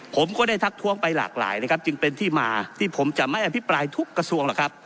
ผมก็ได้ทักท้วงไปหลากหลายนะครับจึงเป็นที่มาที่ผมจะไม่อภิปรายทุกกระทรวงหรอกครับ